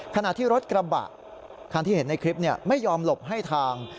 ขณะที่รถกระบะคันที่เห็นในคลิปไม่ยอมหลบให้ทาง